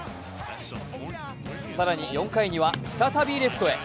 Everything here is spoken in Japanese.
更に、４回には再びレフトへ。